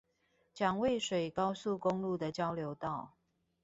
蔣渭水高速公路的交流道